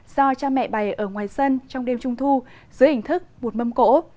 do cha mẹ bày ở ngoài sân trong đêm trung thu dưới ảnh thức một mâm cổ